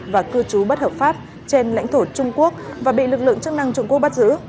và cư trú bất hợp pháp trên lãnh thổ trung quốc và bị lực lượng chức năng trung quốc bắt giữ